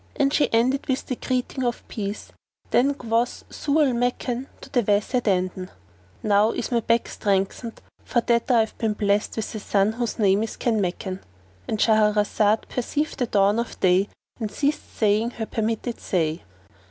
And she ended with the greeting of peace. Then quoth Zau al Makan to the Wazir Dandan, "Now is my back strengthened for that I have been blest with a son whose name is Kanmakan."—And Shahrazad perceived the dawn of day and ceased saying her permitted say.